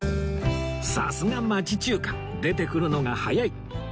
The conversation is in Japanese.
さすが町中華出てくるのが早い